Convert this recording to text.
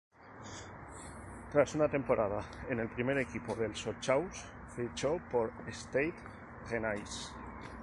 Tras una temporada en el primer equipo del Sochaux fichó por el Stade Rennais.